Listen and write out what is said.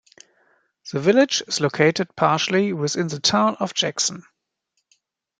The village is located partially within the Town of Jackson.